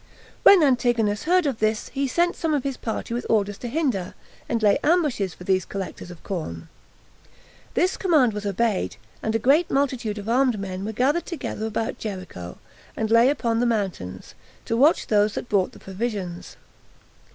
When Antigonus heard of this, he sent some of his party with orders to hinder, and lay ambushes for these collectors of corn. This command was obeyed, and a great multitude of armed men were gathered together about Jericho, and lay upon the mountains, to watch those that brought the provisions.